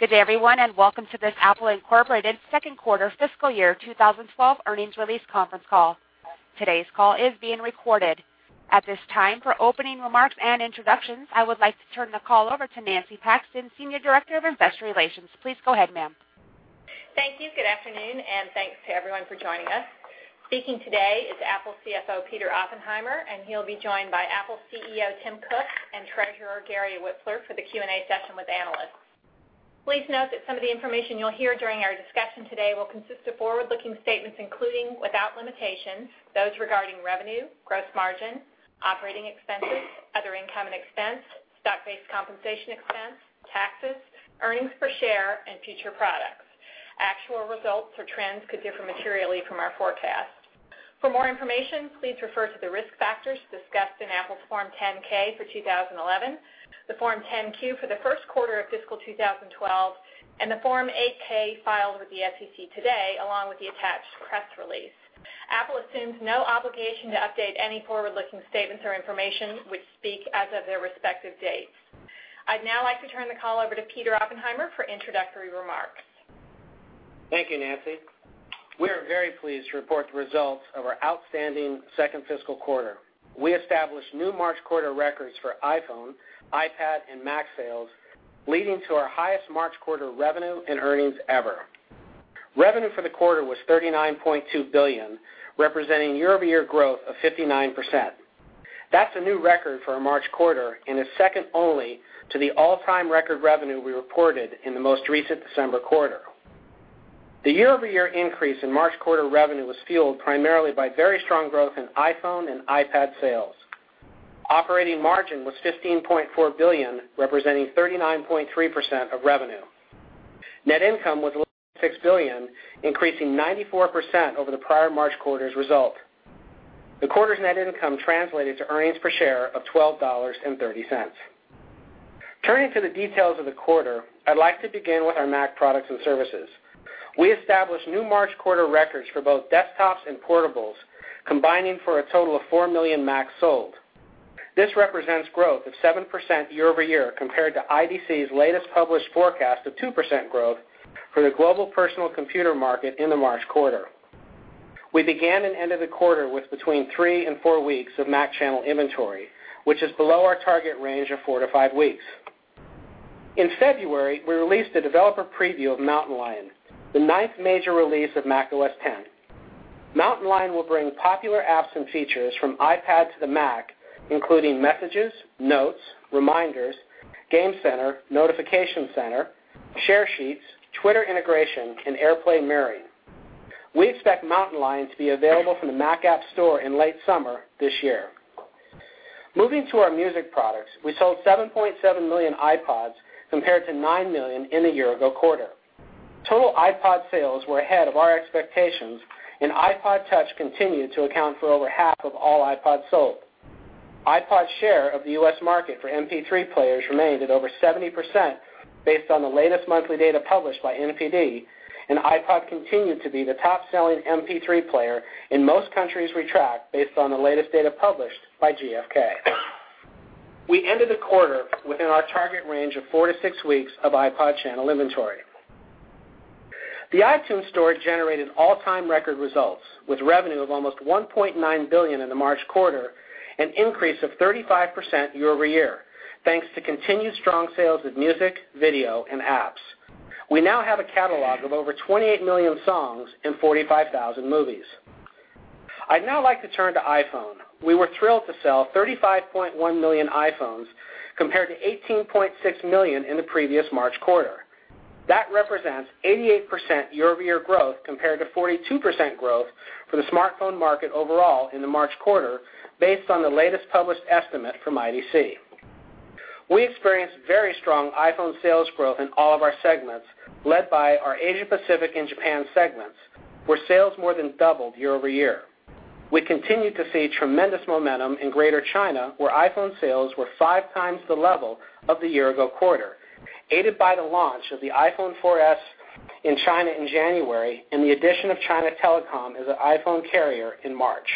Good day, everyone, and welcome to this Apple Incorporated Second Quarter Fiscal Year 2012 Earnings Release Conference Call. Today's call is being recorded. At this time, for opening remarks and introductions, I would like to turn the call over to Nancy Paxton, Senior Director of Investor Relations. Please go ahead, ma'am. Thank you. Good afternoon, and thanks to everyone for joining us. Speaking today is Apple CFO Peter Oppenheimer, and he'll be joined by Apple CEO Tim Cook and creditor Gary Whiteford for the Q&A session with analysts. Please note that some of the information you'll hear during our discussion today will consist of forward-looking statements, including without limitation, those regarding revenue, gross margin, operating expenses, other income and expense, stock-based compensation expense, taxes, earnings per share, and future products. Actual results or trends could differ materially from our forecast. For more information, please refer to the risk factors discussed in Apple's Form 10-K for 2011, the Form 10-Q for the First Quarter of fiscal 2012, and the Form 8-K filed with the SEC today, along with the attached press release. Apple assumes no obligation to update any forward-looking statements or information which speak as of their respective dates. I'd now like to turn the call over to Peter Oppenheimer for introductory remarks. Thank you, Nancy. We are very pleased to report the results of our outstanding second fiscal quarter. We established new March quarter records for iPhone, iPad, and Mac sales, leading to our highest March quarter revenue and earnings ever. Revenue for the quarter was $39.2 billion, representing year-over-year growth of 59%. That's a new record for a March quarter and is second only to the all-time record revenue we reported in the most recent December quarter. The year-over-year increase in March quarter revenue was fueled primarily by very strong growth in iPhone and iPad sales. Operating margin was $15.4 billion, representing 39.3% of revenue. Net income was $11.6 billion, increasing 94% over the prior March quarter's result. The quarter's net income translated to earnings per share of $12.30. Turning to the details of the quarter, I'd like to begin with our Mac products and services. We established new March quarter records for both desktops and portables, combining for a total of 4 million Macs sold. This represents growth of 7% year-over-year compared to IDC's latest published forecast of 2% growth for the global personal computer market in the March quarter. We began and ended the quarter with between three and four weeks of Mac channel inventory, which is below our target range of four to five weeks. In February, we released a developer preview of Mountain Lion, the ninth major release of macOS 10. Mountain Lion will bring popular apps and features from iPad to the Mac, including Messages, Notes, Reminders, Game Center, Notification Center, Share Sheets, Twitter integration, and AirPlay mirroring. We expect Mountain Lion to be available from the Mac App Store in late summer this year. Moving to our music products, we sold 7.7 million iPods compared to 9 million in the year-ago quarter. Total iPod sales were ahead of our expectations, and iPod touch continued to account for over half of all iPods sold. iPod's share of the U.S. market for MP3 players remained at over 70% based on the latest monthly data published by NPD, and iPod continued to be the top-selling MP3 player in most countries we tracked based on the latest data published by GFK. We ended the quarter within our target range of four to six weeks of iPod channel inventory. The iTunes Store generated all-time record results with revenue of almost $1.9 billion in the March quarter, an increase of 35% year-over-year, thanks to continued strong sales of music, video, and apps. We now have a catalog of over 28 million songs and 45,000 movies. I'd now like to turn to iPhone. We were thrilled to sell 35.1 million iPhones, compared to 18.6 million in the previous March quarter. That represents 88% year-over-year growth compared to 42% growth for the smartphone market overall in the March quarter, based on the latest published estimate from IDC. We experienced very strong iPhone sales growth in all of our segments, led by our Asia-Pacific and Japan segments, where sales more than doubled year-over-year. We continued to see tremendous momentum in Greater China, where iPhone sales were 5x the level of the year-ago quarter, aided by the launch of the iPhone 4s in China in January and the addition of China Telecom as an iPhone carrier in March.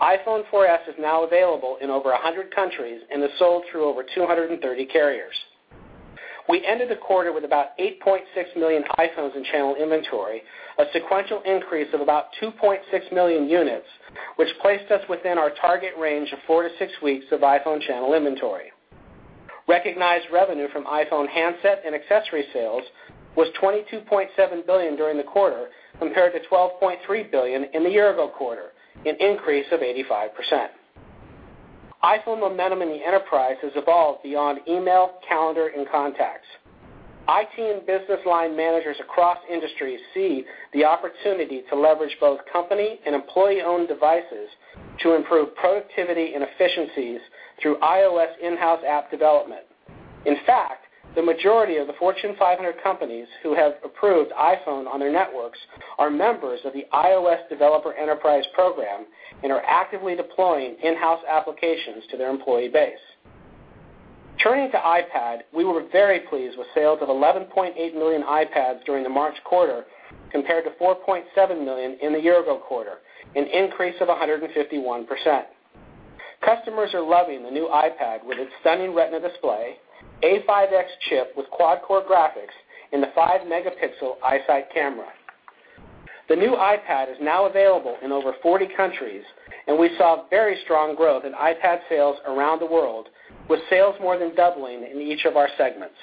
iPhone 4s is now available in over 100 countries and is sold through over 230 carriers. We ended the quarter with about 8.6 million iPhones in channel inventory, a sequential increase of about 2.6 million units, which placed us within our target range of four to six weeks of iPhone channel inventory. Recognized revenue from iPhone handset and accessory sales was $22.7 billion during the quarter, compared to $12.3 billion in the year-ago quarter, an increase of 85%. iPhone momentum in the enterprise has evolved beyond email, calendar, and contacts. IT and business line managers across industries see the opportunity to leverage both company and employee-owned devices to improve productivity and efficiencies through iOS in-house app development. In fact, the majority of the Fortune 500 companies who have approved iPhone on their networks are members of the iOS Developer Enterprise Program and are actively deploying in-house applications to their employee base. Turning to iPad, we were very pleased with sales of 11.8 million iPads during the March quarter, compared to 4.7 million in the year-ago quarter, an increase of 151%. Customers are loving the new iPad with its stunning Retina display, A5X chip with quad-core graphics, and the 5-megapixel iSight camera. The new iPad is now available in over 40 countries, and we saw very strong growth in iPad sales around the world, with sales more than doubling in each of our segments.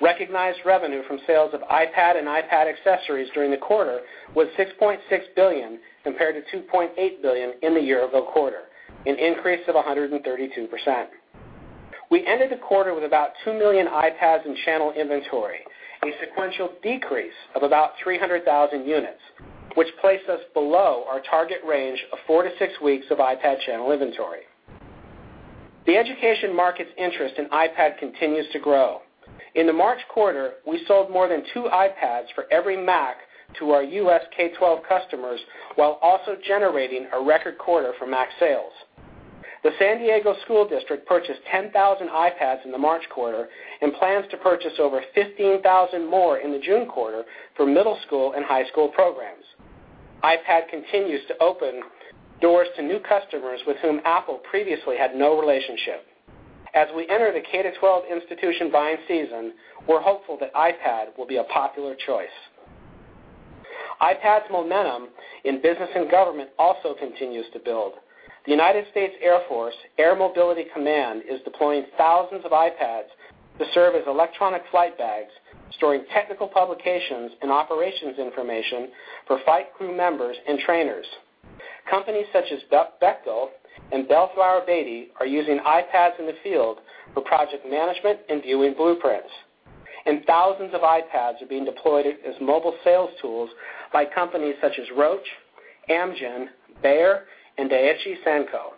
Recognized revenue from sales of iPad and iPad accessories during the quarter was $6.6 billion, compared to $2.8 billion in the year-ago quarter, an increase of 132%. We ended the quarter with about 2 million iPads in channel inventory, a sequential decrease of about 300,000 units, which placed us below our target range of four to six weeks of iPad channel inventory. The education market's interest in iPad continues to grow. In the March quarter, we sold more than two iPads for every Mac to our U.S. K-12 customers, while also generating a record quarter for Mac sales. The San Diego School District purchased 10,000 iPads in the March quarter and plans to purchase over 15,000 more in the June quarter for middle school and high school programs. iPad continues to open doors to new customers with whom Apple previously had no relationship. As we enter the K-12 institution buying season, we're hopeful that iPad will be a popular choice. iPad's momentum in business and government also continues to build. The United States Air Force Air Mobility Command is deploying thousands of iPads to serve as electronic flight bags, storing technical publications and operations information for flight crew members and trainers. Companies such as Bechtel and Balfour Beatty are using iPads in the field for project management and viewing blueprints. Thousands of iPads are being deployed as mobile sales tools by companies such as Roche, Amgen, Bayer, and AHG Sanco.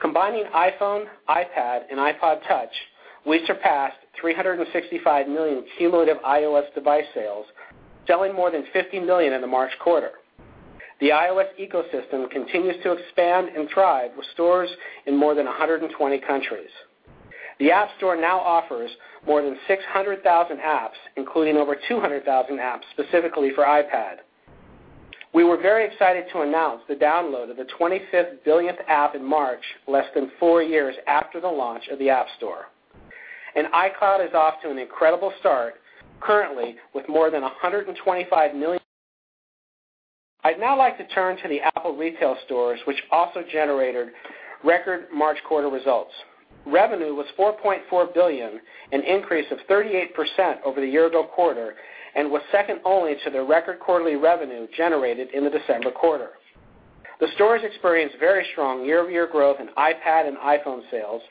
Combining iPhone, iPad, and iPod Touch, we surpassed 365 million cumulative iOS device sales, selling more than 50 million in the March quarter. The iOS ecosystem continues to expand and thrive with stores in more than 120 countries. The App Store now offers more than 600,000 apps, including over 200,000 apps specifically for iPad. We were very excited to announce the download of the 25th billionth app in March, less than four years after the launch of the App Store. iCloud is off to an incredible start, currently with more than 125 million. I'd now like to turn to the Apple retail stores, which also generated record March quarter results. Revenue was $4.4 billion, an increase of 38% over the year-ago quarter, and was second only to the record quarterly revenue generated in the December quarter. The stores experienced very strong year-over-year growth in iPad and iPhone sales,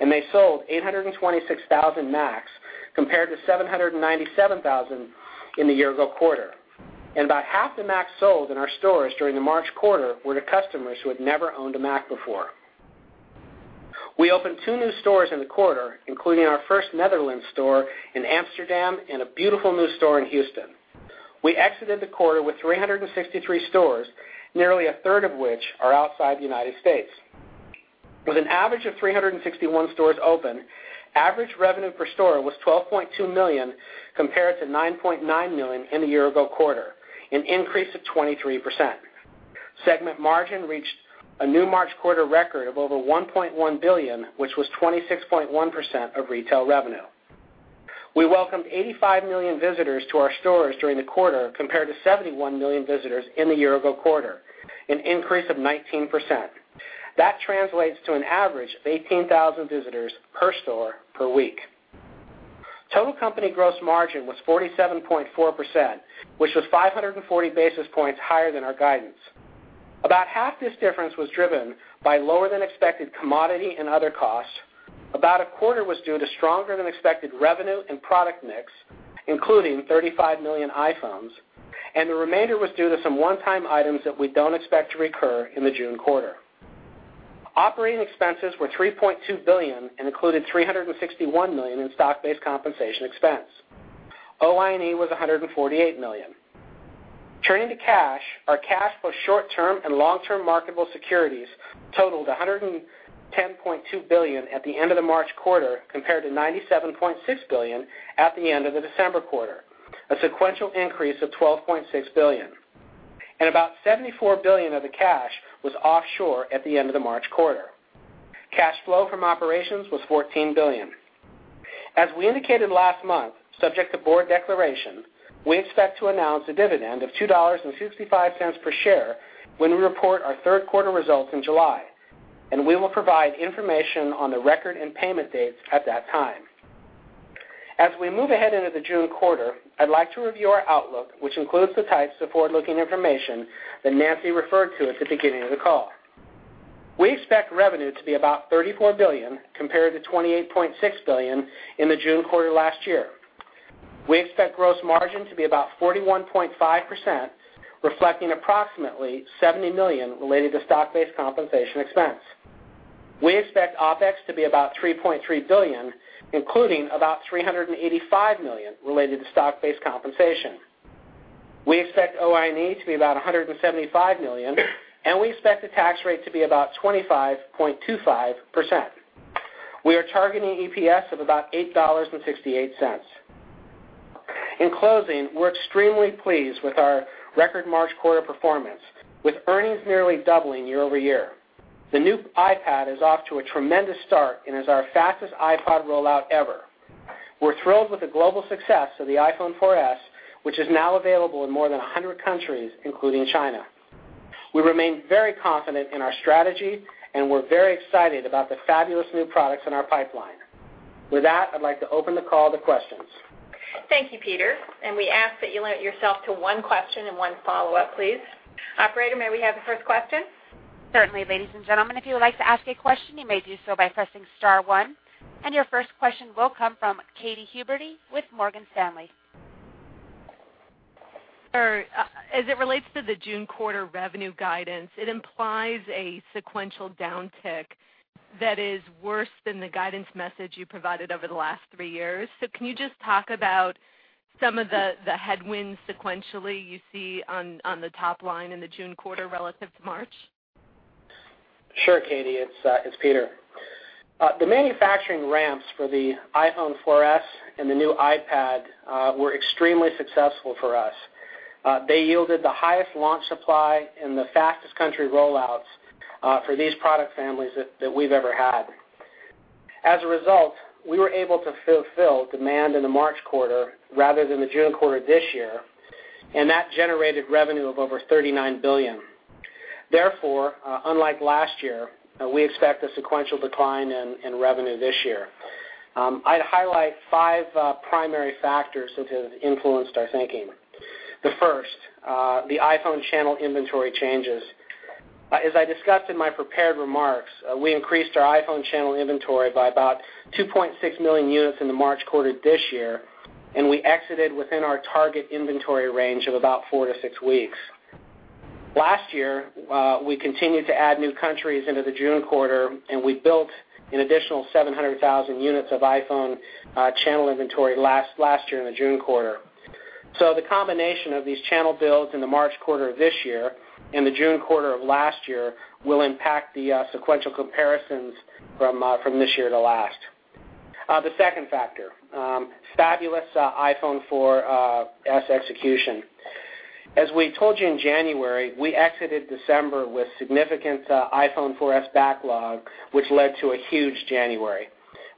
and they sold 826,000 Macs, compared to 797,000 in the year-ago quarter. About half the Macs sold in our stores during the March quarter were to customers who had never owned a Mac before. We opened two new stores in the quarter, including our first Netherlands store in Amsterdam and a beautiful new store in Houston. We exited the quarter with 363 stores, nearly a third of which are outside the United States. With an average of 361 stores open, average revenue per store was $12.2 million, compared to $9.9 million in the year-ago quarter, an increase of 23%. Segment margin reached a new March quarter record of over $1.1 billion, which was 26.1% of retail revenue. We welcomed 85 million visitors to our stores during the quarter, compared to 71 million visitors in the year-ago quarter, an increase of 19%. That translates to an average of 18,000 visitors per store per week. Total company gross margin was 47.4%, which was 540 basis points higher than our guidance. About half this difference was driven by lower than expected commodity and other costs. About a quarter was due to stronger than expected revenue and product mix, including 35 million iPhones. The remainder was due to some one-time items that we don't expect to recur in the June quarter. Operating expenses were $3.2 billion and included $361 million in stock-based compensation expense. OI&E was $148 million. Turning to cash, our cash, both short-term and long-term marketable securities, totaled $110.2 billion at the end of the March quarter, compared to $97.6 billion at the end of the December quarter, a sequential increase of $12.6 billion. About $74 billion of the cash was offshore at the end of the March quarter. Cash flow from operations was $14 billion. As we indicated last month, subject to board declaration, we expect to announce a dividend of $2.65 per share when we report our third quarter results in July. We will provide information on the record and payment dates at that time. As we move ahead into the June quarter, I'd like to review our outlook, which includes the types of forward-looking information that Nancy referred to at the beginning of the call. We expect revenue to be about $34 billion, compared to $28.6 billion in the June quarter last year. We expect gross margin to be about 41.5%, reflecting approximately $70 million related to stock-based compensation expense. We expect OpEx to be about $3.3 billion, including about $385 million related to stock-based compensation. We expect OI&E to be about $175 million, and we expect the tax rate to be about 25.25%. We are targeting EPS of about $8.68. In closing, we're extremely pleased with our record March quarter performance, with earnings nearly doubling year-over-year. The new iPad is off to a tremendous start and is our fastest iPad rollout ever. We're thrilled with the global success of the iPhone 4s, which is now available in more than 100 countries, including China. We remain very confident in our strategy, and we're very excited about the fabulous new products in our pipeline. With that, I'd like to open the call to questions. Thank you, Peter. We ask that you limit yourself to one question and one follow-up, please. Operator, may we have the first question? Certainly, ladies and gentlemen. If you would like to ask a question, you may do so by pressing star one. Your first question will come from Katy Huberty with Morgan Stanley. As it relates to the June quarter revenue guidance, it implies a sequential downtick that is worse than the guidance message you provided over the last three years. Can you just talk about some of the headwinds sequentially you see on the top line in the June quarter relative to March? Sure, Katy. It's Peter. The manufacturing ramps for the iPhone 4s and the new iPad were extremely successful for us. They yielded the highest launch supply and the fastest country rollouts for these product families that we've ever had. As a result, we were able to fulfill demand in the March quarter rather than the June quarter this year, and that generated revenue of over $39 billion. Therefore, unlike last year, we expect a sequential decline in revenue this year. I'd highlight five primary factors that have influenced our thinking. The first, the iPhone channel inventory changes. As I discussed in my prepared remarks, we increased our iPhone channel inventory by about 2.6 million units in the March quarter this year, and we exited within our target inventory range of about four to six weeks. Last year, we continued to add new countries into the June quarter, and we built an additional 700,000 units of iPhone channel inventory last year in the June quarter. The combination of these channel builds in the March quarter of this year and the June quarter of last year will impact the sequential comparisons from this year to last. The second factor, fabulous iPhone 4s execution. As we told you in January, we exited December with significant iPhone 4s backlog, which led to a huge January.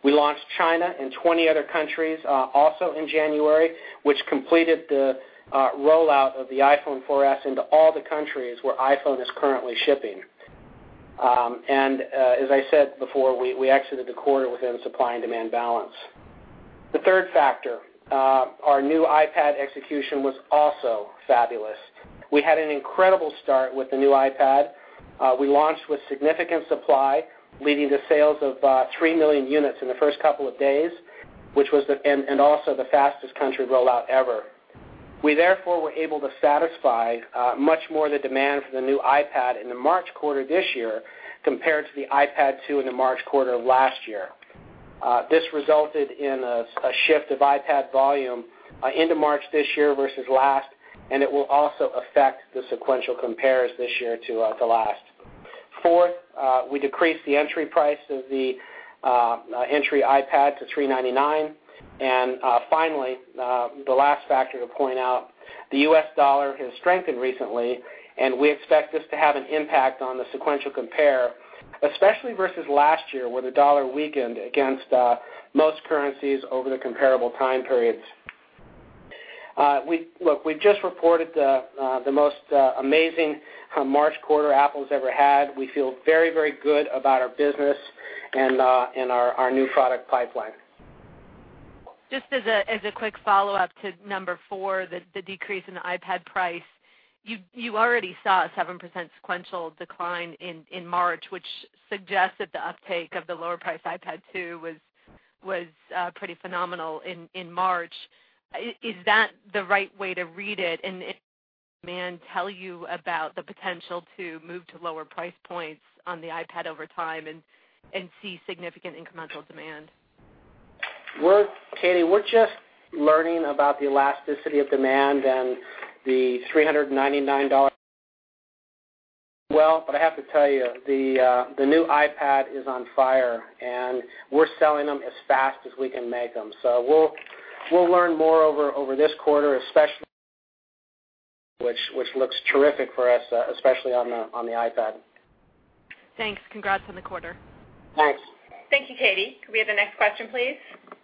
We launched China and 20 other countries also in January, which completed the rollout of the iPhone 4s into all the countries where iPhone is currently shipping. As I said before, we exited the quarter within the supply and demand balance. The third factor, our new iPad execution was also fabulous. We had an incredible start with the new iPad. We launched with significant supply, leading to sales of 3 million units in the first couple of days, which was also the fastest country rollout ever. We therefore were able to satisfy much more of the demand for the new iPad in the March quarter this year compared to the iPad 2 in the March quarter of last year. This resulted in a shift of iPad volume into March this year versus last, and it will also affect the sequential compares this year to the last. Fourth, we decreased the entry price of the entry iPad to $399. Finally, the last factor to point out, the US dollar has strengthened recently, and we expect this to have an impact on the sequential compare, especially versus last year, where the dollar weakened against most currencies over the comparable time periods. We've just reported the most amazing March quarter Apple has ever had. We feel very, very good about our business and our new product pipeline. Just as a quick follow-up to number four, the decrease in the iPad price, you already saw a 7% sequential decline in March, which suggests that the uptake of the lower priced iPad 2 was pretty phenomenal in March. Is that the right way to read it? Can demand tell you about the potential to move to lower price points on the iPad over time and see significant incremental demand? Katy, we're just learning about the elasticity of demand and the $399. I have to tell you, the new iPad is on fire, and we're selling them as fast as we can make them. We'll learn more over this quarter, which looks terrific for us, especially on the iPad. Thanks. Congrats on the quarter. Thanks. Thank you, Katy. We have the next question, please.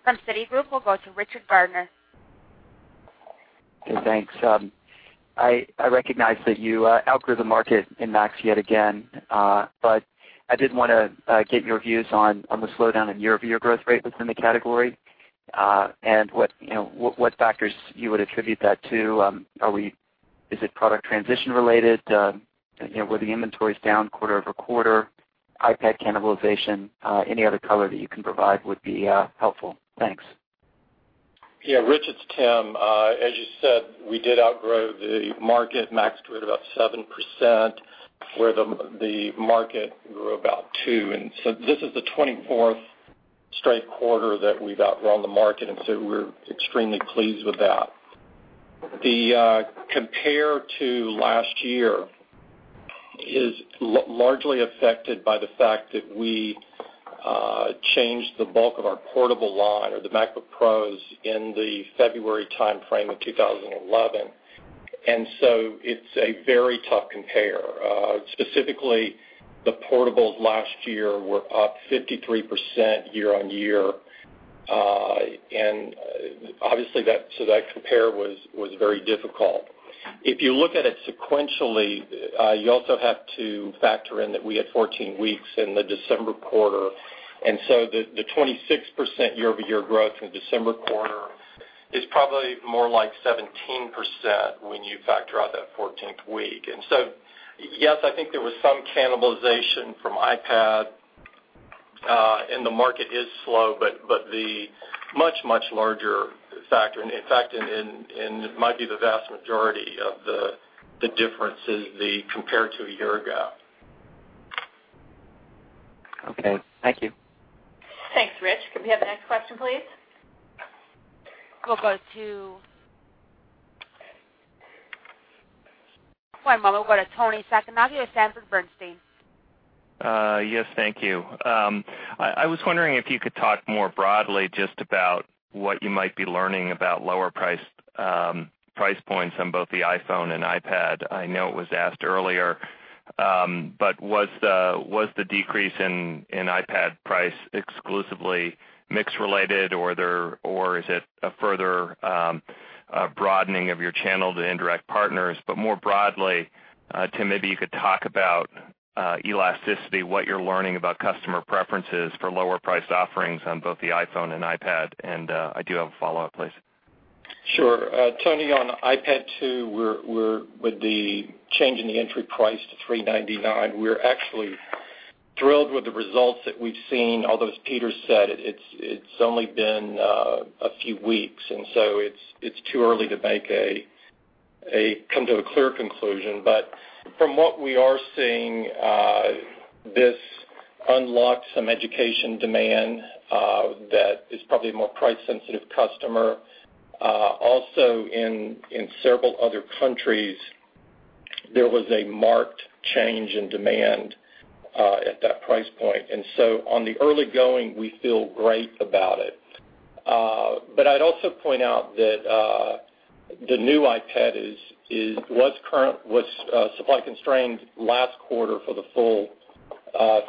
From Citigroup, we'll go to Richard Gardner. Thanks. I recognize that you outgrew the market in Macs yet again, but I did want to get your views on the slowdown in year-over-year growth rate within the category. What factors would you attribute that to? Is it product transition related? Were the inventories down quarter-over-quarter? iPad cannibalization? Any other color that you can provide would be helpful. Thanks. Yeah, Rich, it's Tim. As you said, we did outgrow the market. Macs grew at about 7%, where the market grew about 2%. This is the 24th straight quarter that we've outgrown the market, and we're extremely pleased with that. The compare to last year is largely affected by the fact that we changed the bulk of our portable line, or the MacBook Pros, in the February timeframe of 2011. It's a very tough compare. Specifically, the portables last year were up 53% year on year, and obviously, that compare was very difficult. If you look at it sequentially, you also have to factor in that we had 14 weeks in the December quarter. The 26% year-over-year growth in the December quarter is probably more like 17% when you factor out that 14th week. Yes, I think there was some cannibalization from iPad, and the market is slow, but the much, much larger factor, in fact, and it might be the vast majority of the difference, is the compare to a year ago. Okay, thank you. Thanks, Rich. Could we have the next question, please? We'll go to. Good morning. We'll go to Toni Sacconaghi with Sanford Bernstein. Yes, thank you. I was wondering if you could talk more broadly just about what you might be learning about lower price points on both the iPhone and iPad. I know it was asked earlier, but was the decrease in iPad price exclusively mix-related, or is it a further broadening of your channel to indirect partners? More broadly, Tim, maybe you could talk about elasticity, what you're learning about customer preferences for lower priced offerings on both the iPhone and iPad. I do have a follow-up, please. Sure. Toni, on the iPad 2, with the change in the entry price to $399, we're actually thrilled with the results that we've seen. Although, as Peter said, it's only been a few weeks, and it's too early to come to a clear conclusion. From what we are seeing, this unlocked some education demand that is probably a more price-sensitive customer. Also, in several other countries, there was a marked change in demand at that price point. In the early going, we feel great about it. I'd also point out that the new iPad was supply-constrained last quarter for the full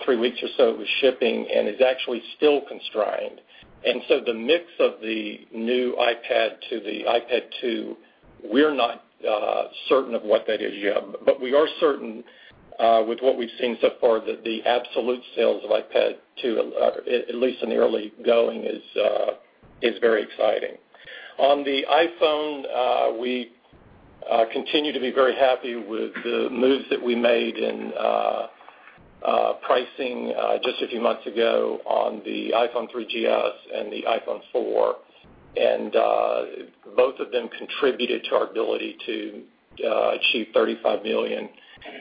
three weeks or so it was shipping and is actually still constrained. The mix of the new iPad to the iPad 2, we're not certain of what that is yet. We are certain with what we've seen so far that the absolute sales of iPad 2, at least in the early going, is very exciting. On the iPhone, we continue to be very happy with the moves that we made in pricing just a few months ago on the iPhone 3GS and the iPhone 4. Both of them contributed to our ability to achieve $35 million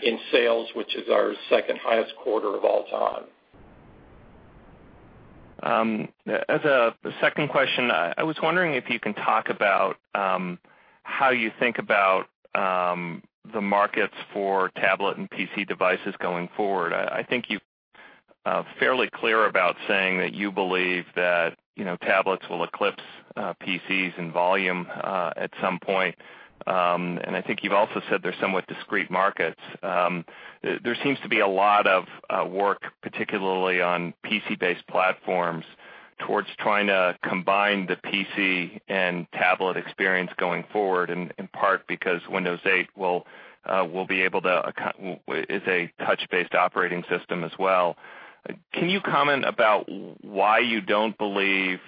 in sales, which is our second highest quarter of all time. As a second question, I was wondering if you can talk about how you think about the markets for tablet and PC devices going forward. I think you're fairly clear about saying that you believe that tablets will eclipse PCs in volume at some point. I think you've also said they're somewhat discrete markets. There seems to be a lot of work, particularly on PC-based platforms, towards trying to combine the PC and tablet experience going forward, in part because Windows 8 is a touch-based operating system as well. Can you comment about why you don't believe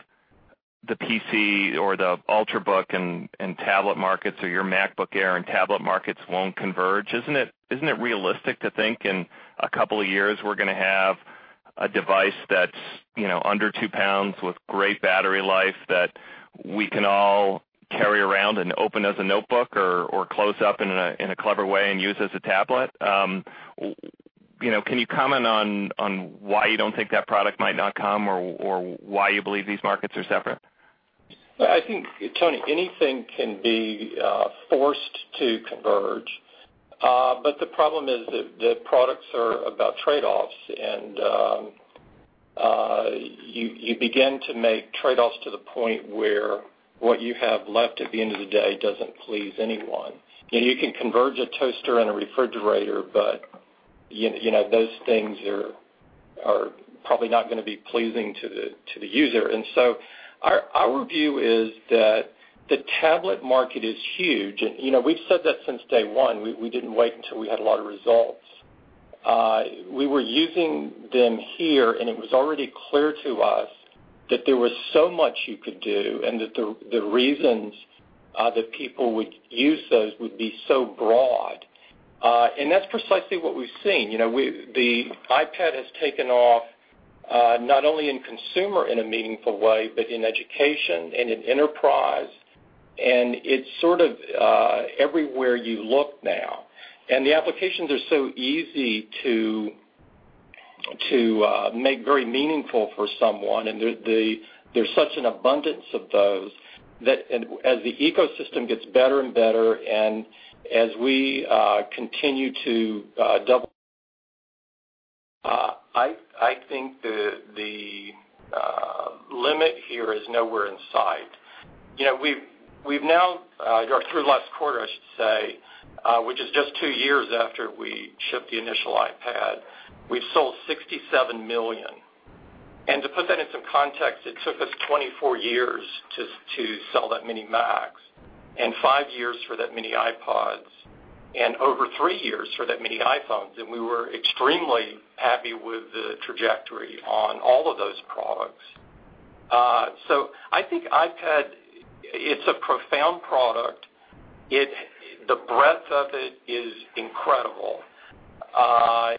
the PC or the Ultrabook and tablet markets or your MacBook Air and tablet markets won't converge? Isn't it realistic to think in a couple of years we're going to have a device that's under two pounds with great battery life that we can all carry around and open as a notebook or close up in a clever way and use as a tablet? Can you comment on why you don't think that product might not come or why you believe these markets are separate? I think, Toni, anything can be forced to converge. The problem is that products are about trade-offs, and you begin to make trade-offs to the point where what you have left at the end of the day doesn't please anyone. You can converge a toaster and a refrigerator, but you know those things are probably not going to be pleasing to the user. Our view is that the tablet market is huge, and we've said that since day one. We didn't wait until we had a lot of results. We were using them here, and it was already clear to us that there was so much you could do and that the reasons that people would use those would be so broad. That's precisely what we've seen. The iPad has taken off not only in consumer in a meaningful way, but in education and in enterprise. It's sort of everywhere you look now, and the applications are so easy to make very meaningful for someone. There's such an abundance of those that as the ecosystem gets better and better and as we continue to double, I think the limit here is nowhere in sight. We've now, through the last quarter, I should say, which is just two years after we shipped the initial iPad, we've sold 67 million. To put that in some context, it took us 24 years to sell that many Macs and five years for that many iPods and over three years for that many iPhones. We were extremely happy with the trajectory on all of those products. I think iPad, it's a profound product. The breadth of it is incredible. The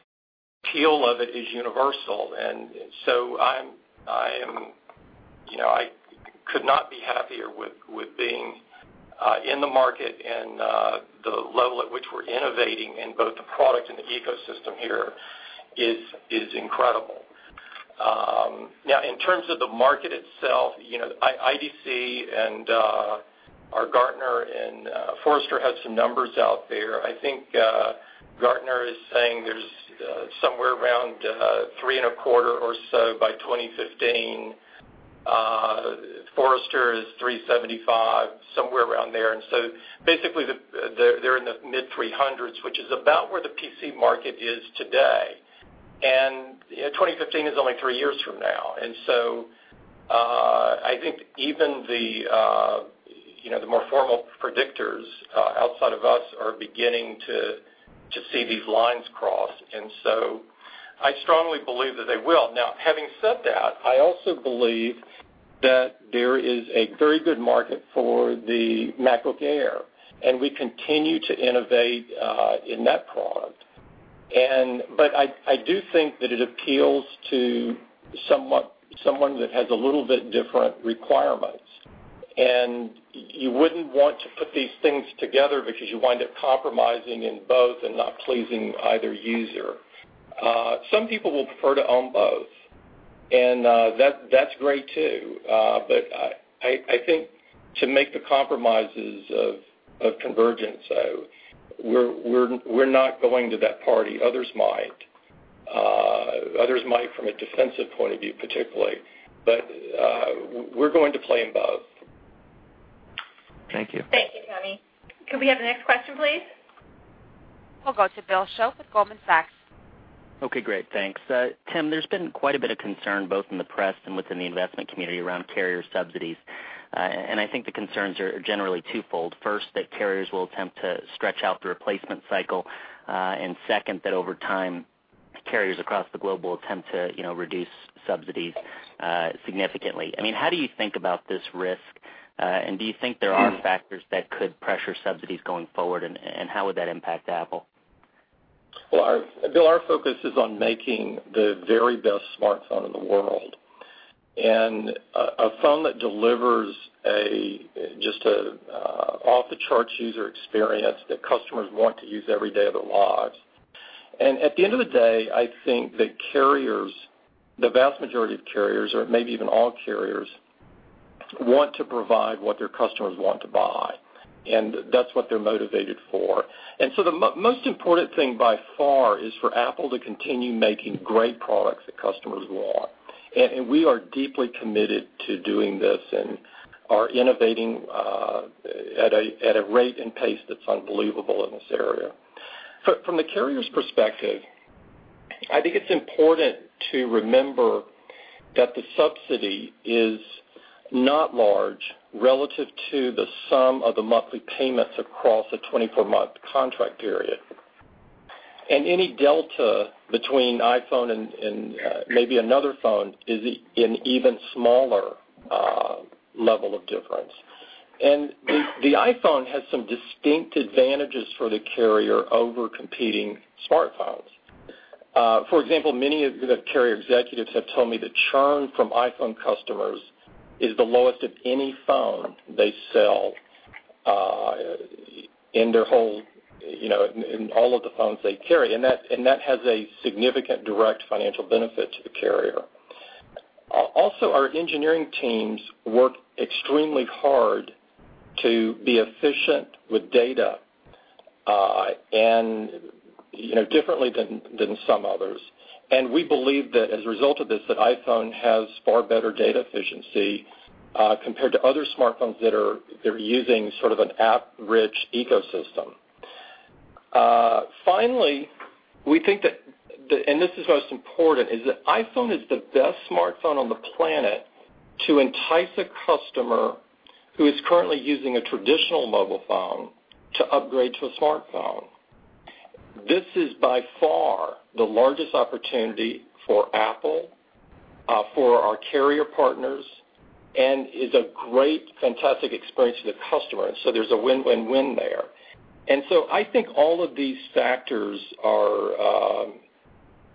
appeal of it is universal, and I could not be happier with being in the market. The level at which we're innovating in both the product and the ecosystem here is incredible. Now, in terms of the market itself, IDC and Gartner and Forrester had some numbers out there. I think Gartner is saying there's somewhere around 325 million or so by 2015. Forrester is 375 million, somewhere around there. Basically, they're in the mid-300 millions, which is about where the PC market is today. 2015 is only three years from now, and I think even the more formal predictors outside of us are beginning to see these lines cross. I strongly believe that they will. Now, having said that, I also believe that there is a very good market for the MacBook Air, and we continue to innovate in that product. I do think that it appeals to someone that has a little bit different requirements. You wouldn't want to put these things together because you wind up compromising in both and not pleasing either user. Some people will prefer to own both, and that's great too. I think to make the compromises of convergence, though, we're not going to that party. Others might, others might from a defensive point of view, particularly. We're going to play in both. Thank you. Thank you, Toni. Could we have the next question, please? I'll go to Bill Schultz with Goldman Sachs. Okay, great. Thanks. Tim, there's been quite a bit of concern both in the press and within the investment community around carrier subsidies. I think the concerns are generally twofold. First, that carriers will attempt to stretch out the replacement cycle. Second, that over time, carriers across the globe will attempt to reduce subsidies significantly. How do you think about this risk? Do you think there are factors that could pressure subsidies going forward? How would that impact Apple? Our focus is on making the very best smartphone in the world, a phone that delivers just an off-the-charts user experience that customers want to use every day of their lives. At the end of the day, I think that carriers, the vast majority of carriers, or maybe even all carriers, want to provide what their customers want to buy. That's what they're motivated for. The most important thing by far is for Apple to continue making great products that customers want. We are deeply committed to doing this and are innovating at a rate and pace that's unbelievable in this area. From the carrier's perspective, I think it's important to remember that the subsidy is not large relative to the sum of the monthly payments across a 24-month contract period. Any delta between an iPhone and maybe another phone is an even smaller level of difference. The iPhone has some distinct advantages for the carrier over competing smartphones. For example, many of the carrier executives have told me the churn from iPhone customers is the lowest of any phone they sell in all of the phones they carry. That has a significant direct financial benefit to the carrier. Also, our engineering teams work extremely hard to be efficient with data, differently than some others. We believe that as a result of this, iPhone has far better data efficiency compared to other smartphones that are using sort of an app-rich ecosystem. Finally, we think that, and this is most important, iPhone is the best smartphone on the planet to entice a customer who is currently using a traditional mobile phone to upgrade to a smartphone. This is by far the largest opportunity for Apple, for our carrier partners, and is a great, fantastic experience to the customer. There's a win-win-win there. I think some of these factors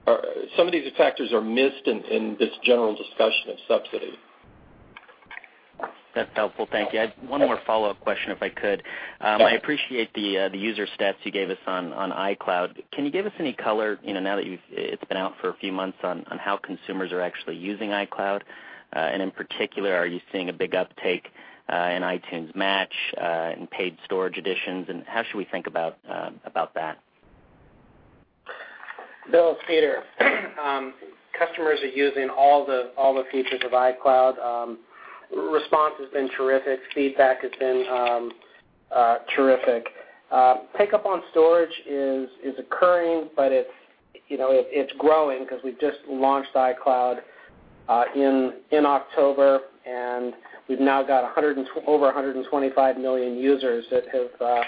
are missed in this general discussion of subsidy. That's helpful. Thank you. I have one more follow-up question, if I could. I appreciate the user stats you gave us on iCloud. Can you give us any color, now that it's been out for a few months, on how consumers are actually using iCloud? In particular, are you seeing a big uptick in iTunes Match and paid storage additions? How should we think about that? Bill, it's Peter. Customers are using all the features of iCloud. Response has been terrific. Feedback has been terrific. Pickup on storage is occurring, but it's growing because we've just launched iCloud in October. We've now got over 125 million users that have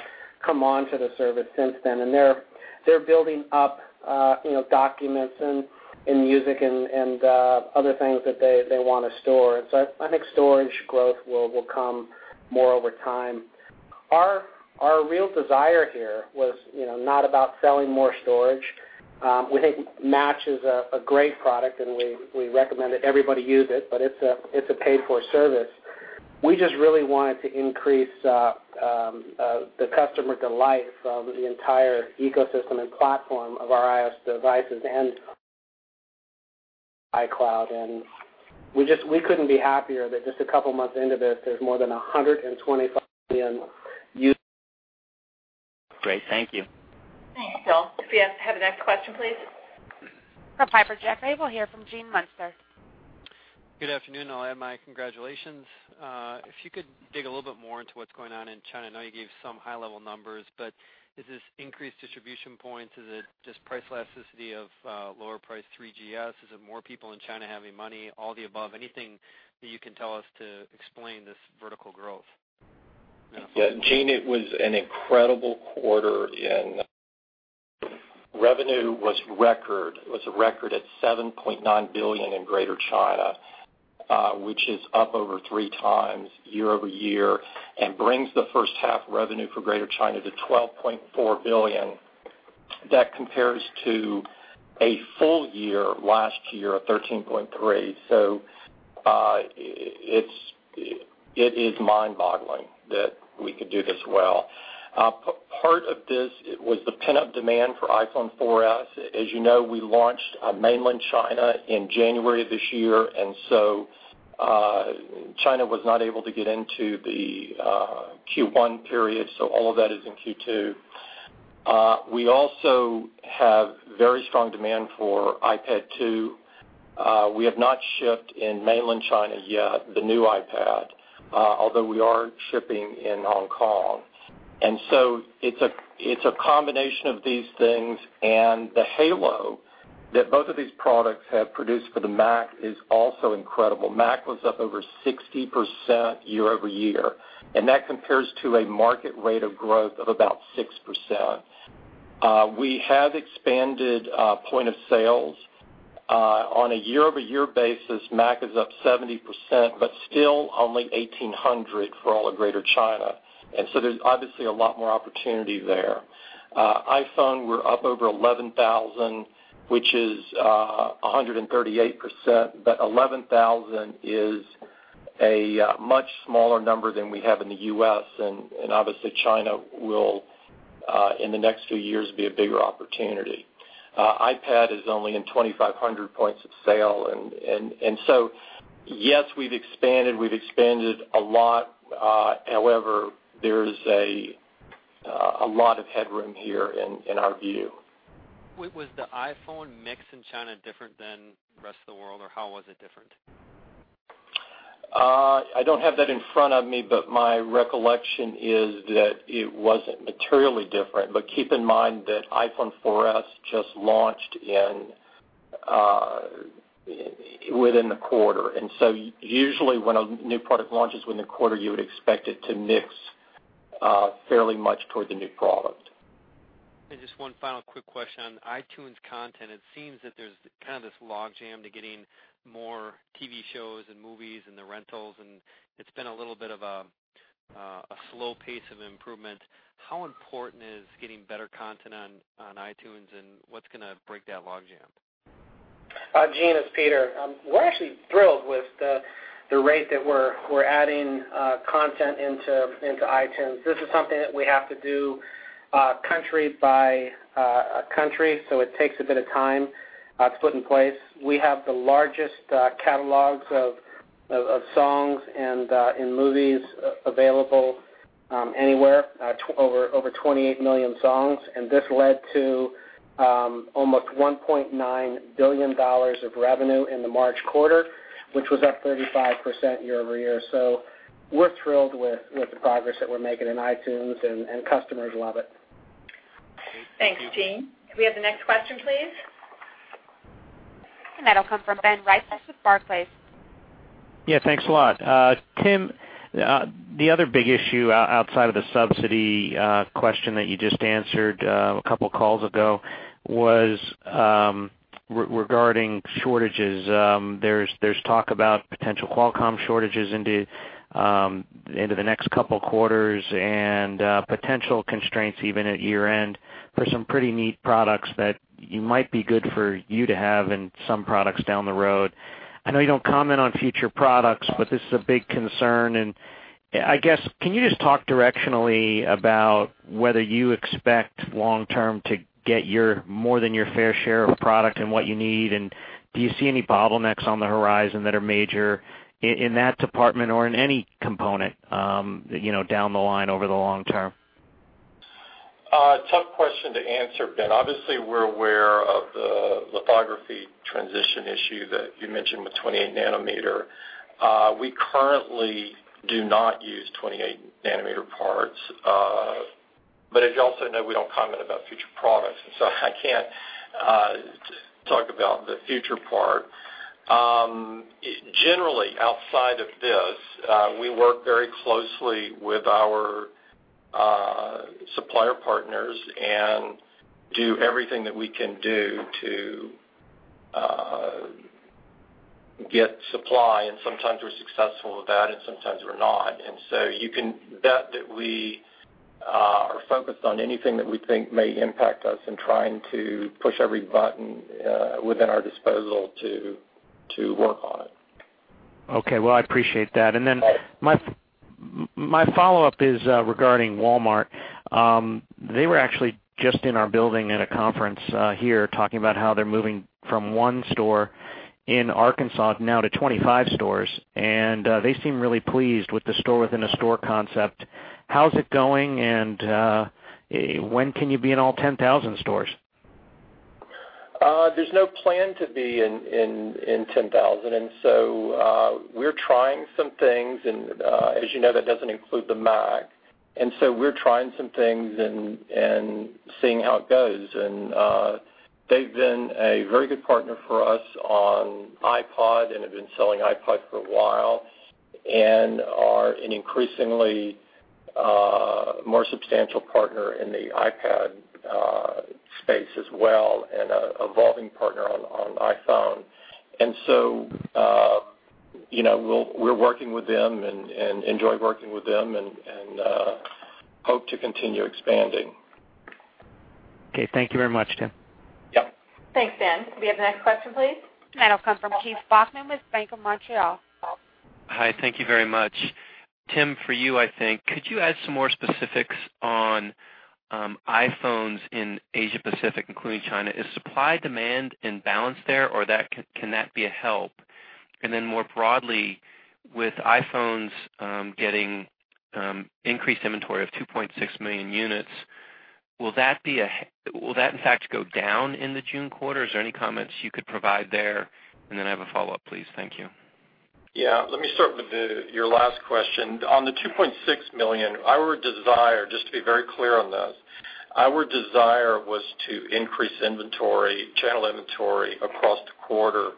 come onto the service since then. They're building up documents and music and other things that they want to store. I think storage growth will come more over time. Our real desire here was not about selling more storage. We think Match is a great product, and we recommend that everybody use it, but it's a paid-for service. We just really wanted to increase the customer delight from the entire ecosystem and platform of our iOS devices and iCloud. We just couldn't be happier that just a couple of months into this, there's more than 125 million users. Great. Thank you. Thanks, Bill. If we have the next question, please. From Piper Jaffray, we will hear from Gene Munster. Good afternoon, all, and my congratulations. If you could dig a little bit more into what's going on in China, I know you gave some high-level numbers, but is this increased distribution points? Is it just price elasticity of lower priced 3GS? Is it more people in China having money? All the above. Anything that you can tell us to explain this vertical growth? Yeah, Gene, it was an incredible quarter. Revenue was record. It was a record at $7.9 billion in Greater China, which is up over 3x year-over-year and brings the first half revenue for Greater China to $12.4 billion. That compares to a full year last year of $13.3 billion. It is mind-boggling that we could do this well. Part of this was the pent-up demand for iPhone 4s. As you know, we launched mainland China in January of this year. China was not able to get into the Q1 period. All of that is in Q2. We also have very strong demand for iPad 2. We have not shipped in mainland China yet the new iPad, although we are shipping in Hong Kong. It is a combination of these things. The halo that both of these products have produced for the Mac is also incredible. Mac was up over 60% year-over-year. That compares to a market rate of growth of about 6%. We have expanded point of sales. On a year-over-year basis, Mac is up 70%, but still only 1,800 for all of Greater China. There is obviously a lot more opportunity there. iPhone, we're up over 11,000, which is 138%. 11,000 is a much smaller number than we have in the U.S. Obviously, China will, in the next few years, be a bigger opportunity. iPad is only in 2,500 points of sale. Yes, we've expanded. We've expanded a lot. However, there is a lot of headroom here in our view. Was the iPhone mix in Greater China different than the rest of the world, or how was it different? I don't have that in front of me, but my recollection is that it wasn't materially different. Keep in mind that iPhone 4s just launched within the quarter, and usually, when a new product launches within the quarter, you would expect it to mix fairly much toward the new product. Just one final quick question on iTunes content. It seems that there's kind of this logjam to getting more TV shows and movies and the rentals. It's been a little bit of a slow pace of improvement. How important is getting better content on iTunes, and what's going to break that logjam? Gene, it's Peter. We're actually thrilled with the rate that we're adding content into iTunes. This is something that we have to do country by country. It takes a bit of time to put in place. We have the largest catalogs of songs and movies available anywhere, over 28 million songs. This led to almost $1.9 billion of revenue in the March quarter, which was up 35% year-over-year. We're thrilled with the progress that we're making in iTunes, and customers love it. Thanks, Gene. We have the next question, please. That will come from Ben Reitzes with Barclays. Yeah, thanks a lot. Tim, the other big issue outside of the subsidy question that you just answered a couple of calls ago was regarding shortages. There is talk about potential Qualcomm shortages into the next couple of quarters and potential constraints even at year-end for some pretty neat products that might be good for you to have in some products down the road. I know you don't comment on future products, but this is a big concern. I guess, can you just talk directionally about whether you expect long-term to get more than your fair share of product and what you need? Do you see any bottlenecks on the horizon that are major in that department or in any component down the line over the long term? Tough question to answer, Ben. Obviously, we're aware of the lithography transition issue that you mentioned with 28 nm. We currently do not use 28 nm parts. As you also know, we don't comment about future products, so I can't talk about the future part. Generally, outside of this, we work very closely with our supplier partners and do everything that we can do to get supply. Sometimes we're successful with that, and sometimes we're not. You can bet that we are focused on anything that we think may impact us and trying to push every button within our disposal to work on it. I appreciate that. My follow-up is regarding Walmart. They were actually just in our building at a conference here talking about how they're moving from one store in Arkansas now to 25 stores. They seem really pleased with the store-within-a-store concept. How's it going? When can you be in all 10,000 stores? There's no plan to be in 10,000. We're trying some things. As you know, that doesn't include the Mac. We're trying some things and seeing how it goes. They've been a very good partner for us on iPod and have been selling iPod for a while and are an increasingly more substantial partner in the iPad space as well and an evolving partner on iPhone. We're working with them and enjoy working with them and hope to continue expanding. Okay, thank you very much, Tim. Yep. Thanks, Ben. We have the next question, please. That'll come from Keith Bachman with Bank of Montreal. Hi. Thank you very much. Tim, for you, I think, could you add some more specifics on iPhones in Asia-Pacific, including China? Is supply-demand in balance there, or can that be a help? More broadly, with iPhones getting increased inventory of 2.6 million units, will that in fact go down in the June quarter? Is there any comments you could provide there? I have a follow-up, please. Thank you. Let me start with your last question. On the $2.6 million, our desire, just to be very clear on this, our desire was to increase channel inventory across the quarter.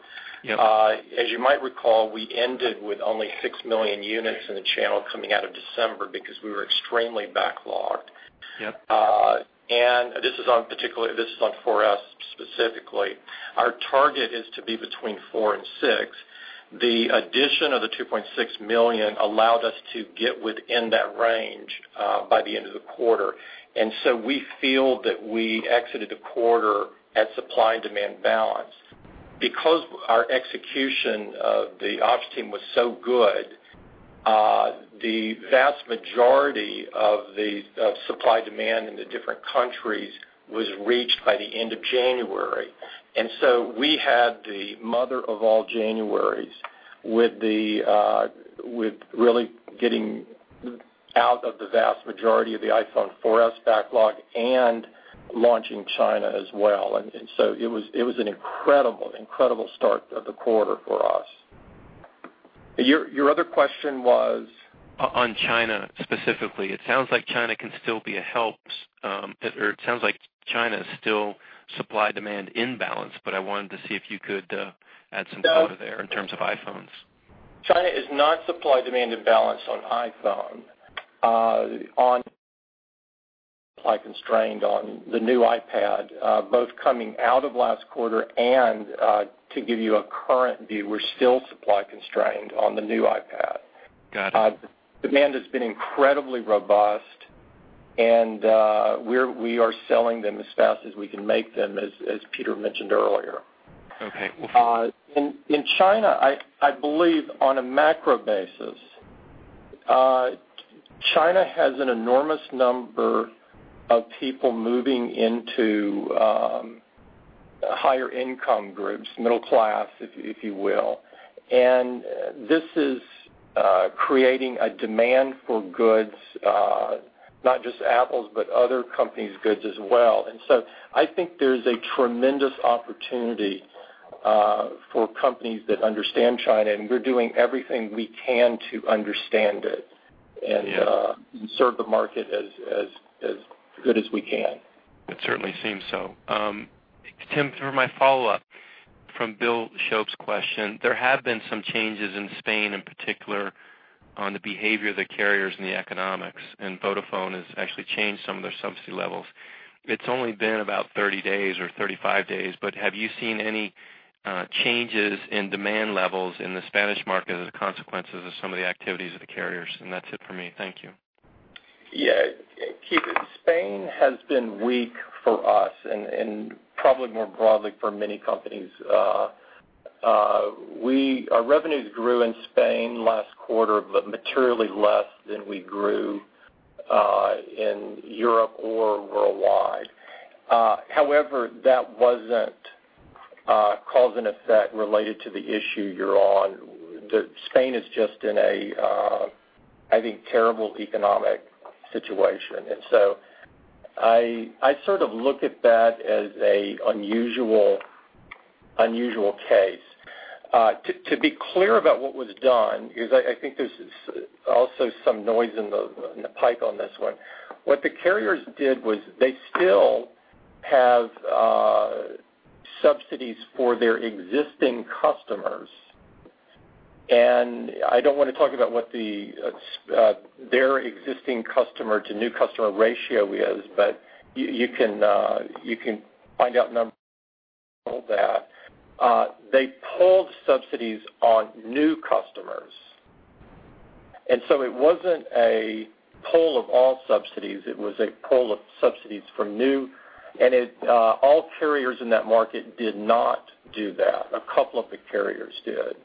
As you might recall, we ended with only 6 million units in the channel coming out of December because we were extremely backlogged. This is on, particularly, this is on iPhone 4s specifically. Our target is to be between 4 and 6. The addition of the $2.6 million allowed us to get within that range by the end of the quarter. We feel that we exited the quarter at supply and demand balance. Because our execution of the ops team was so good, the vast majority of the supply-demand in the different countries was reached by the end of January. We had the mother of all Januarys with really getting out of the vast majority of the iPhone 4s backlog and launching China as well. It was an incredible, incredible start of the quarter for us. Your other question was. On China specifically, it sounds like China can still be a help. It sounds like China is still supply-demand in balance, but I wanted to see if you could add some color there in terms of iPhones. China is not supply-demand in balance on iPhone. On supply constrained on the new iPad, both coming out of last quarter and to give you a current view, we're still supply constrained on the new iPad. Got it. Demand has been incredibly robust, and we are selling them as fast as we can make them, as Peter mentioned earlier. Okay. In China, I believe on a macro basis, China has an enormous number of people moving into higher income groups, middle class, if you will. This is creating a demand for goods, not just Apple's, but other companies' goods as well. I think there's a tremendous opportunity for companies that understand China, and we're doing everything we can to understand it and serve the market as good as we can. It certainly seems so. Tim, for my follow-up from Bill Schultz's question, there have been some changes in Spain in particular on the behavior of the carriers and the economics. Vodafone has actually changed some of their subsidy levels. It's only been about 30 days or 35 days, but have you seen any changes in demand levels in the Spanish market as a consequence of some of the activities of the carriers? That's it for me. Thank you. Yeah, Keith, Spain has been weak for us and probably more broadly for many companies. Our revenues grew in Spain last quarter, but materially less than we grew in Europe or worldwide. However, that was not cause and effect related to the issue you are on. Spain is just in a, I think, terrible economic situation. I sort of look at that as an unusual case. To be clear about what was done, because I think there is also some noise in the pike on this one, what the carriers did was they still have subsidies for their existing customers. I do not want to talk about what their existing customer-to-new customer ratio is, but you can find out that. They pulled subsidies on new customers. It was not a pull of all subsidies. It was a pull of subsidies from new. All carriers in that market did not do that. A couple of the carriers did.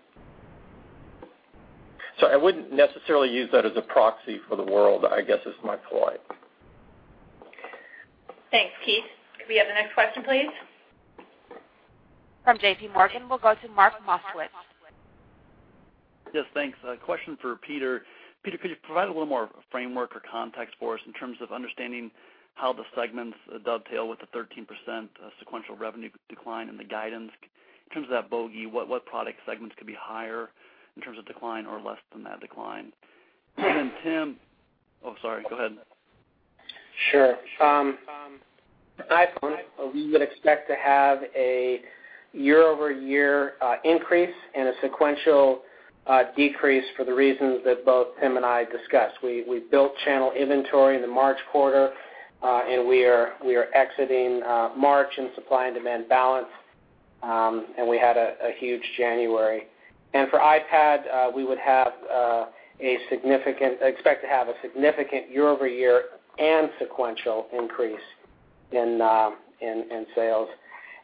I would not necessarily use that as a proxy for the world, I guess, is my point. Thanks, Keith. We have the next question, please. From JPMorgan, we'll go to Mark Moskowitz. Yes, thanks. A question for Peter. Peter, could you provide a little more framework or context for us in terms of understanding how the segments dovetail with the 13% sequential revenue decline and the guidance? In terms of that bogey, what product segments could be higher in terms of decline or less than that decline? Tim, sorry, go ahead. Sure. iPhone, we would expect to have a year-over-year increase and a sequential decrease for the reasons that both Tim and I discussed. We built channel inventory in the March quarter, and we are exiting March in supply and demand balance. We had a huge January. For iPad, we would expect to have a significant year-over-year and sequential increase in sales.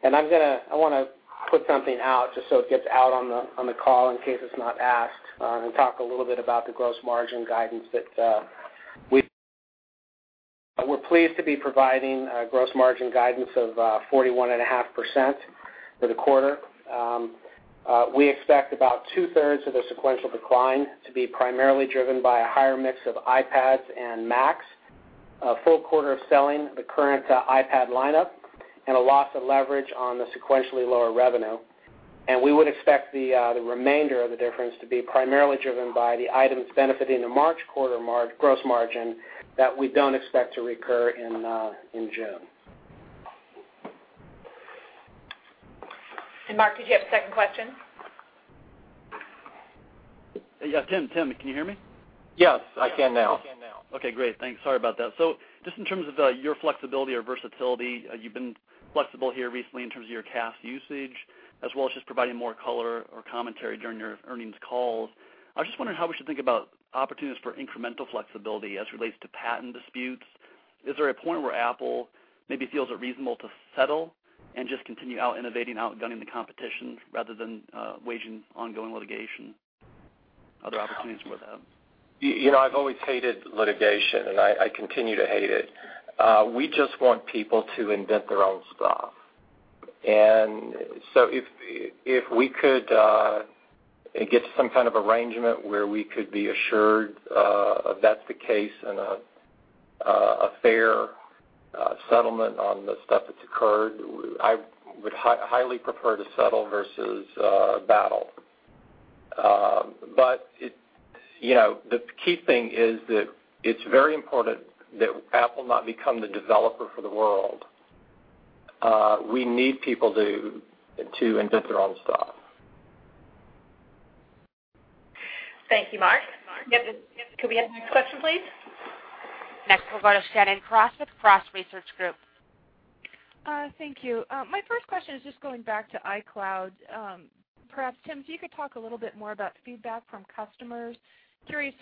I want to put something out just so it gets out on the call in case it's not asked and talk a little bit about the gross margin guidance that we're pleased to be providing, a gross margin guidance of 41.5% for the quarter. We expect about two-thirds of the sequential decline to be primarily driven by a higher mix of iPads and Macs, a full quarter of selling the current iPad lineup, and a loss of leverage on the sequentially lower revenue. We would expect the remainder of the difference to be primarily driven by the items benefiting the March quarter gross margin that we don't expect to recur in June. Mark, could you have a second question? Yes, Tim. Tim, can you hear me? Yes, I can now. Okay, great. Thanks. Sorry about that. In terms of your flexibility or versatility, you've been flexible here recently in terms of your CAS usage, as well as just providing more color or commentary during your earnings call. I was just wondering how we should think about opportunities for incremental flexibility as it relates to patent disputes. Is there a point where Apple maybe feels it reasonable to settle and just continue out innovating, outgunning the competition rather than waging ongoing litigation? Are there opportunities for that? I've always hated litigation, and I continue to hate it. We just want people to invent their own stuff. If we could get to some kind of arrangement where we could be assured that's the case and a fair settlement on the stuff that's occurred, I would highly prefer to settle versus battle. The key thing is that it's very important that Apple not become the developer for the world. We need people to invent their own stuff. Thank you, Mark. Could we have the next question, please? Next, we'll go to Shannon Cross with Cross Research Group. Thank you. My first question is just going back to iCloud. Perhaps, Tim, if you could talk a little bit more about feedback from customers. Curious,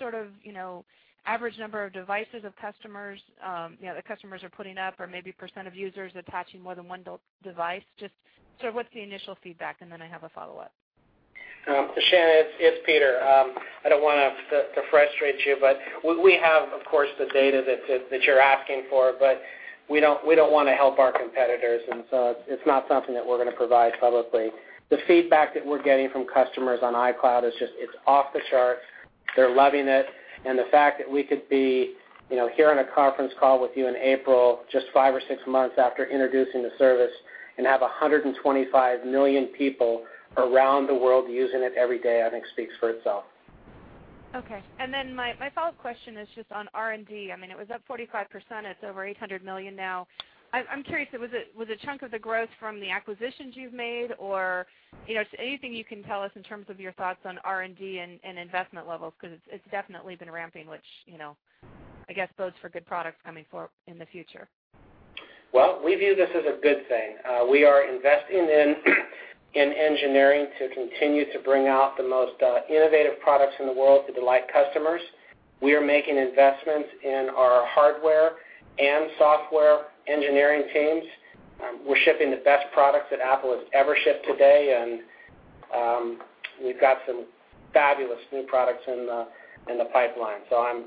you know, average number of devices that customers are putting up or maybe percent of users attaching more than one device. Just sort of what's the initial feedback? I have a follow-up. Shannon, it's Peter. I don't want to frustrate you, but we have, of course, the data that you're asking for. We don't want to help our competitors, and it's not something that we're going to provide publicly. The feedback that we're getting from customers on iCloud is just, it's off the chart. They're loving it. The fact that we could be here on a conference call with you in April, just five or six months after introducing the service, and have 125 million people around the world using it every day, I think speaks for itself. Okay. My follow-up question is just on R&D. It was up 45%. It's over $800 million now. I'm curious, was it a chunk of the growth from the acquisitions you've made or anything you can tell us in terms of your thoughts on R&D and investment levels? It's definitely been ramping, which I guess bodes for good products coming forward in the future. We view this as a good thing. We are investing in engineering to continue to bring out the most innovative products in the world to delight customers. We are making investments in our hardware and software engineering teams. We're shipping the best products that Apple has ever shipped today, and we've got some fabulous new products in the pipeline.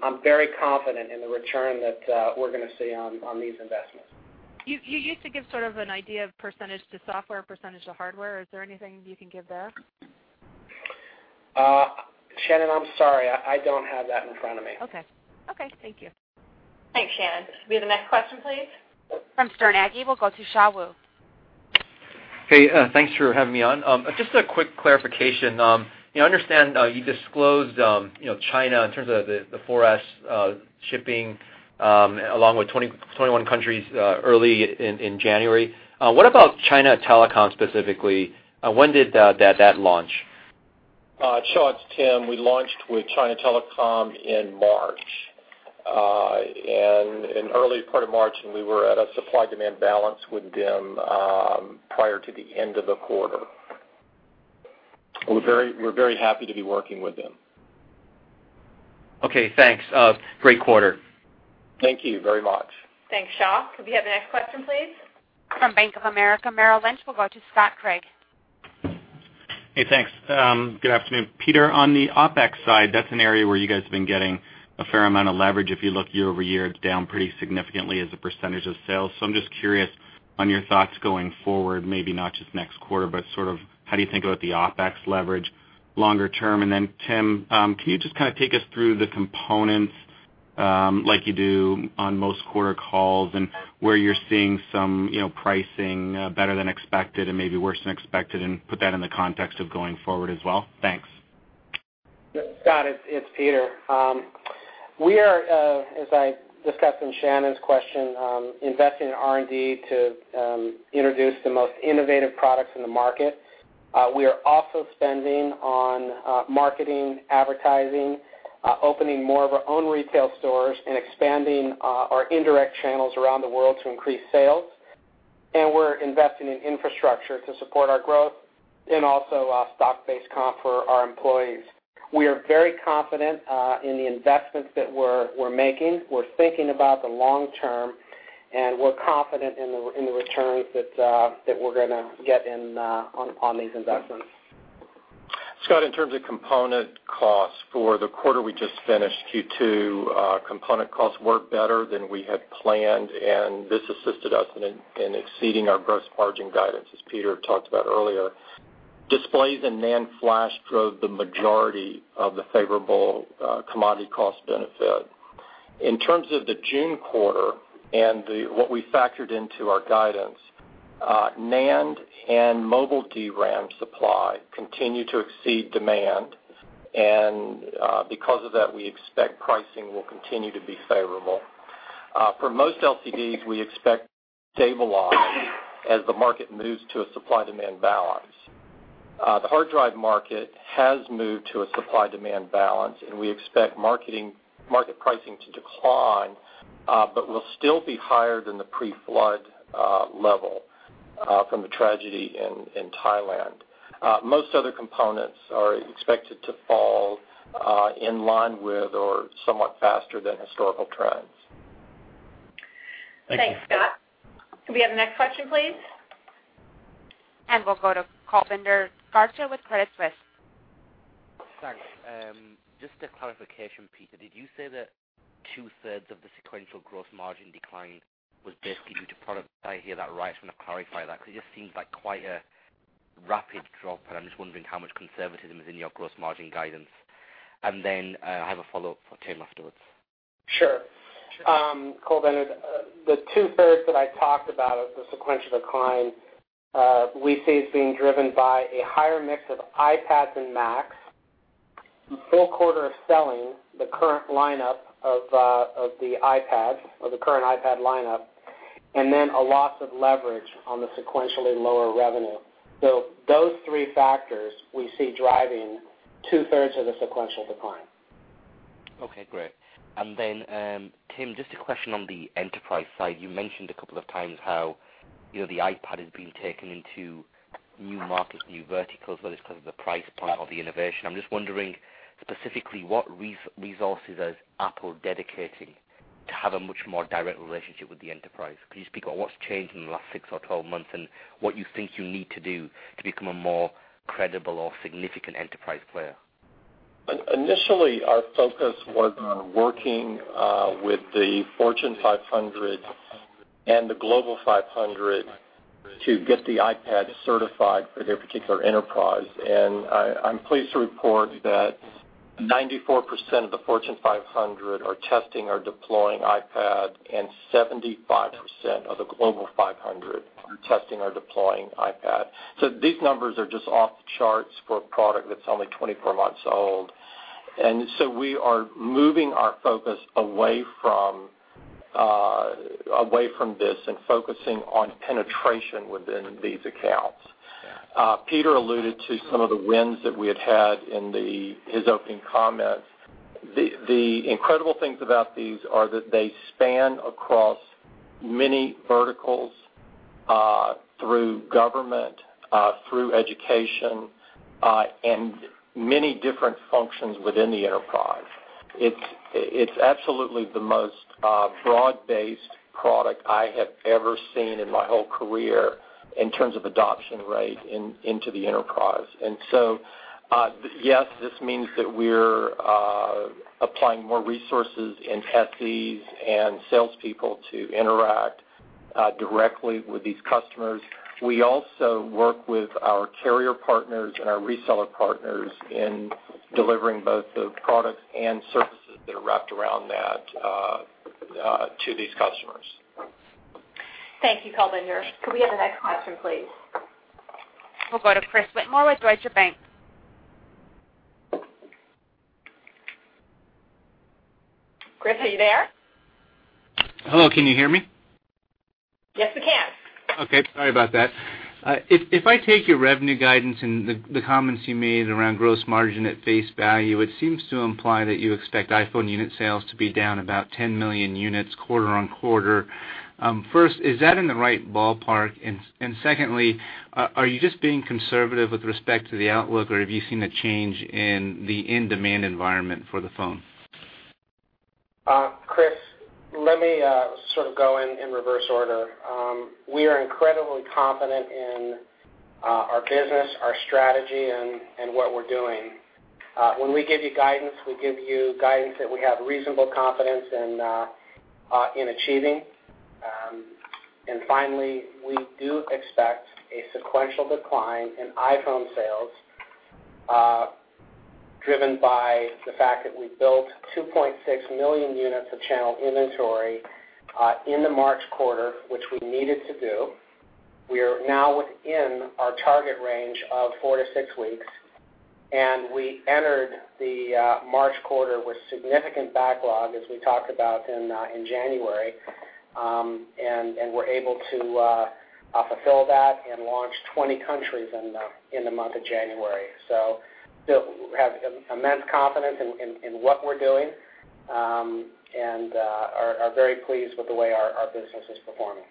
I'm very confident in the return that we're going to see on these investments. You used to give sort of an idea of percentage to software, percentage to hardware. Is there anything you can give there? Shannon, I'm sorry. I don't have that in front of me. Okay. Thank you. Thanks, Shannon. We have the next question, please. From Sterne Agee, we'll go to Shaw Wu. Hey, thanks for having me on. Just a quick clarification. I understand you disclosed China in terms of the iPhone 4s shipping along with 21 countries early in January. What about China Telecom specifically? When did that launch? Sure. It's Tim. We launched with China Telecom in March. In the early part of March, we were at a supply-demand balance with them prior to the end of the quarter. We're very happy to be working with them. Okay, thanks. Great quarter. Thank you very much. Thanks, Shaw. Could we have the next question, please? From Bank of America Merrill Lynch, we'll go to Scott Craig. Hey, thanks. Good afternoon. Peter, on the OpEx side, that's an area where you guys have been getting a fair amount of leverage. If you look year-over-year, it's down pretty significantly as a percentage of sales. I'm just curious on your thoughts going forward, maybe not just next quarter, but sort of how do you think about the OpEx leverage longer term? Tim, can you just kind of take us through the components like you do on most quarter calls and where you're seeing some pricing better than expected and maybe worse than expected and put that in the context of going forward as well? Thanks. Got it. It's Peter. We are, as I discussed in Shannon's question, investing in R&D to introduce the most innovative products in the market. We are also spending on marketing, advertising, opening more of our own retail stores, and expanding our indirect channels around the world to increase sales. We are investing in infrastructure to support our growth and also stock-based comp for our employees. We are very confident in the investments that we're making. We're thinking about the long term, and we're confident in the returns that we're going to get on these investments. Scott, in terms of component costs, for the quarter we just finished, Q2, component costs were better than we had planned, and this assisted us in exceeding our gross margin guidance, as Peter talked about earlier. Displays and NAND flash drove the majority of the favorable commodity cost benefit. In terms of the June quarter and what we factored into our guidance, NAND and mobile DRAM supply continue to exceed demand. Because of that, we expect pricing will continue to be favorable. For most LCDs, we expect stable on as the market moves to a supply-demand balance. The hard drive market has moved to a supply-demand balance, and we expect market pricing to decline, but will still be higher than the pre-flood level from the tragedy in Thailand. Most other components are expected to fall in line with or somewhat faster than historical trends. Thanks, Scott. We have the next question, please. We will go to Kulbinder Gracha with Credit Suisse. Thanks. Just a clarification, Peter, did you say that two-thirds of the sequential gross margin decline was basically due to product? If I hear that right, I just want to clarify that because it just seems like quite a rapid drop. I'm just wondering how much conservatism is in your gross margin guidance. I have a follow-up for Tim afterwards. Sure. Kulbinder, the two-thirds that I talked about, the sequential decline, we see as being driven by a higher mix of iPads and Macs, a full quarter of selling the current iPad lineup, and then a loss of leverage on the sequentially lower revenue. Those three factors we see driving two-thirds of the sequential decline. Okay, great. Tim, just a question on the enterprise side. You mentioned a couple of times how the iPad is being taken into new markets, new verticals, whether it's because of the price point or the innovation. I'm just wondering specifically what resources is Apple dedicating to have a much more direct relationship with the enterprise? Could you speak about what's changed in the last 6 or 12 months and what you think you need to do to become a more credible or significant enterprise player? Initially, our focus was on working with the Fortune 500 and the Global 500 to get the iPad certified for their particular enterprise. I'm pleased to report that 94% of the Fortune 500 are testing or deploying iPads and 75% of the Global 500 are testing or deploying iPads. These numbers are just off the charts for a product that's only 24 months old. We are moving our focus away from this and focusing on penetration within these accounts. Peter alluded to some of the wins that we had had in his opening comments. The incredible things about these are that they span across many verticals, through government, through education, and many different functions within the enterprise. It's absolutely the most broad-based product I have ever seen in my whole career in terms of adoption rate into the enterprise. Yes, this means that we're applying more resources at these and salespeople to interact directly with these customers. We also work with our carrier partners and our reseller partners in delivering both the product and services that are wrapped around that to these customers. Thank you, Kulbinder. Could we have the next question, please? We'll go to Chris Whitmore with Deutsche Bank. Chris, are you there? Hello. Can you hear me? Yes, we can. Okay. Sorry about that. If I take your revenue guidance and the comments you made around gross margin at face value, it seems to imply that you expect iPhone unit sales to be down about 10 million units quarter on quarter. First, is that in the right ballpark? Secondly, are you just being conservative with respect to the outlook, or have you seen a change in the in-demand environment for the phone? Chris, let me sort of go in reverse order. We are incredibly confident in our business, our strategy, and what we're doing. When we give you guidance, we give you guidance that we have reasonable confidence in achieving. Finally, we do expect a sequential decline in iPhone sales driven by the fact that we built 2.6 million units of channel inventory in the March quarter, which we needed to do. We are now within our target range of four to six weeks. We entered the March quarter with significant backlog, as we talked about in January, and we're able to fulfill that and launch 20 countries in the month of January. We have immense confidence in what we're doing and are very pleased with the way our business is performing.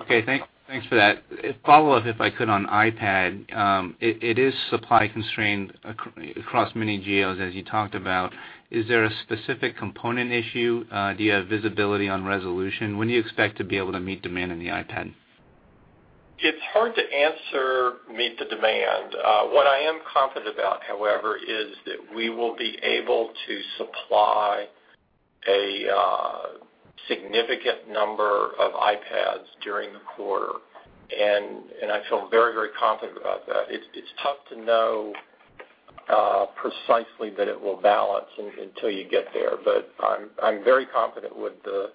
Okay. Thanks for that. A follow-up, if I could, on iPad. It is supply constrained across many geos, as you talked about. Is there a specific component issue? Do you have visibility on resolution? When do you expect to be able to meet demand in the iPad? It's hard to answer meet the demand. What I am confident about, however, is that we will be able to supply a significant number of iPads during the quarter. I feel very, very confident about that. It's tough to know precisely that it will balance until you get there. I am very confident with the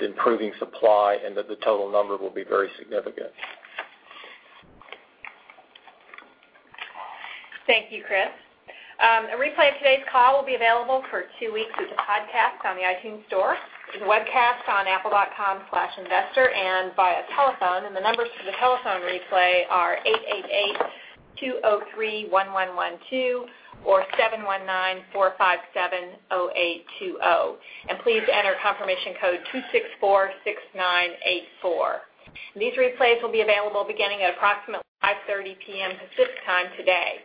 improving supply and that the total number will be very significant. Thank you, Chris. A replay of today's call will be available for two weeks at the podcast on the iTunes Store, the webcast on apple.com/investor, and via telephone. The numbers for the telephone replay are 888-203-1112 or 719-457-0820. Please enter confirmation code 264-6984. These replays will be available beginning at approximately 5:30 P.M. Pacific Time today.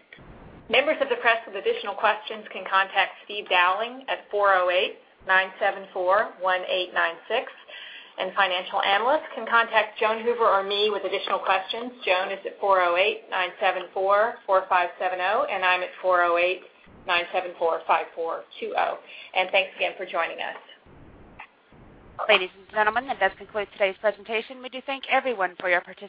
Members of the press with additional questions can contact Steve Dowling at 408-974-1896. Financial analysts can contact Joan Hoover or me with additional questions. Joan is at 408-974-4570 and I'm at 408-974-5420. Thanks again for joining us. Ladies and gentlemen, that concludes today's presentation. We do thank everyone for your participation.